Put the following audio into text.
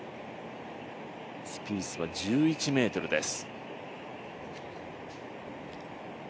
スピースは１１ｍです。